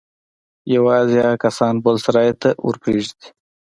يوازې هغه کسان بل سراى ته ورپرېږدي.